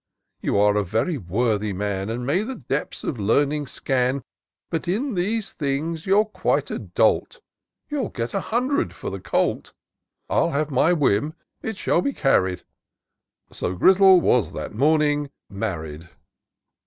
You are a very worthy man. And may the depths of learning scan ; H H 234 TOUR OP DOCTOR SYNTAX But in these things you're quite a dolt : You'll get a hundred for the colt. Ill have my whim — ^it shaQ be carried :"— So Grizzle was that morning married.